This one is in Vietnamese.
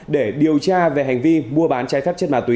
để điều tra về hành vi mua bán trái phép chất ma túy